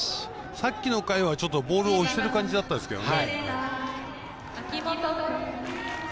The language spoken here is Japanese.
さっきの回はボールが押してる感じだったんですけどね。